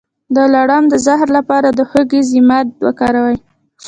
د لړم د زهر لپاره د هوږې ضماد وکاروئ